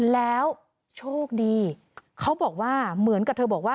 แล้วโชคดีเขาบอกว่าเหมือนกับเธอบอกว่า